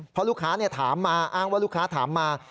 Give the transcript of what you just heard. เพราะลูกค้าถามมาอ้างว่าลูกค้าถามมา